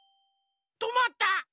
とまった。